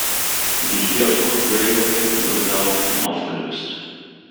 Die Hereford Railway wurde daraufhin aufgelöst.